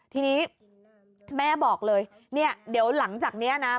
ทีนี้แม่บอกเลยเนี่ยเดี๋ยวหลังจากนี้นะ